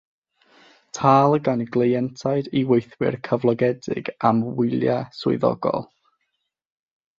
Tâl gan gleientiaid i weithwyr cyflogedig am wyliau swyddogol.